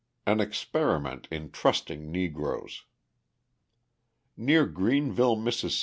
An Experiment in Trusting Negroes Near Greenville, Miss.